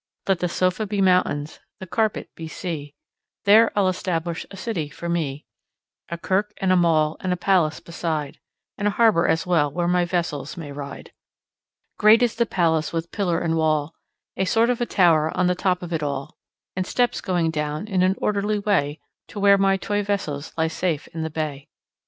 Let the sofa be mountains, the carpet be sea, There I'll establish a city for me: A kirk and a mill and a palace beside, And a harbour as well where my vessels may ride. Great is the palace with pillar and wall, A sort of a tower on the top of it all, And steps coming down in an orderly way To where my toy vessels lie safe in the bay.